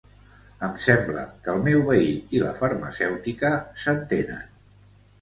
Em sembla que el meu veí i la farmacèutica s'entenen